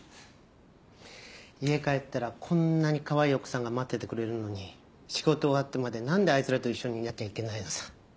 家帰ったらこんなにかわいい奥さんが待っててくれるのに仕事終わってまでなんであいつらと一緒にいなきゃいけないのさ。